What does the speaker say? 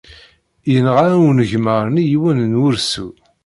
Yenɣa unegmar-nni yiwen n wursu.